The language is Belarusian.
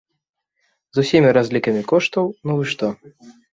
З ўсімі разлікамі коштаў, ну вы што!